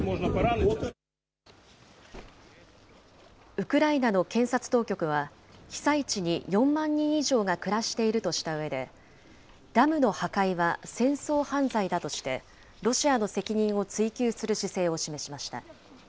ウクライナの検察当局は、被災地に４万人以上が暮らしているとしたうえで、ダムの破壊は戦争犯罪だとして、ロシアの責任を追及する姿勢を示しました。